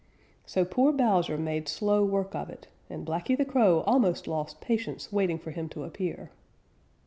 So poor Bowser made slow work of it, and Blacky the Crow almost lost patience waiting for him to appear.